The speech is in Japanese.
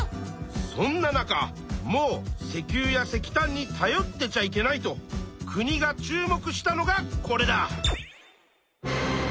そんな中もう石油や石炭にたよってちゃいけないと国が注目したのがこれだ！